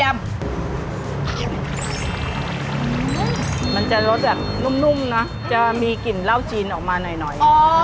มันจะรสแบบนุ่มเนอะจะมีกลิ่นเหล้าจีนออกมาหน่อย